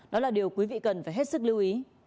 đó là điều quý vị cần phải hết sức lưu ý